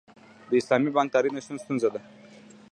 د اسلامي بانکدارۍ نشتون ستونزه ده.